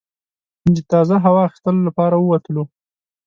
د تازه هوا اخیستلو لپاره ووتلو.